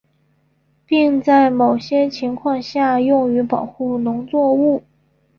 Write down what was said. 并在某些情况下用于保护农作物。